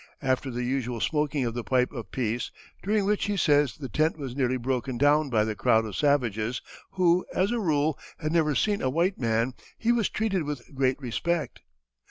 After the usual smoking of the pipe of peace, during which he says the tent was nearly broken down by the crowd of savages, who, as a rule, had never seen a white man, he was treated with great respect.